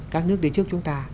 các nước đi trước chúng ta